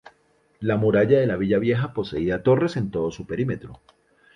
La muralla de la Villa Vieja poseía torres en todo su perímetro.